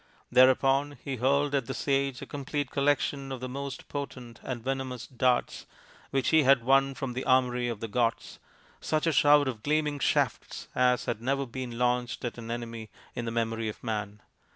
Thereupon he hurled at the sage a complete collection of the most potent and venemous darts which he had won from the armoury of the gods, such a shower of gleaming shafts as had never been launched at an enemy in the memory of man.